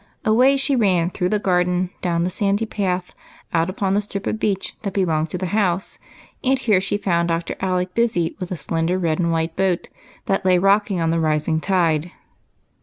Away she ran through the gar den, down the sandy path, out upon the strip of beach that belonged to the house, and here she found Dr. Alec busy with a slender red and white boat that lay rocking on the rising tide.